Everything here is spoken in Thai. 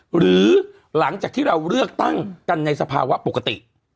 หรือหลังจากที่เราเลือกตั้งกันในสภาวะปกติ